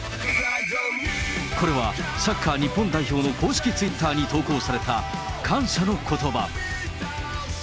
これはサッカー日本代表の公式ツイッターに投稿された感謝のことば。